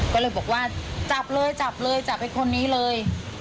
ก็เลยบอกว่าจับเลยจับเลยจับไอ้คนนี้เลย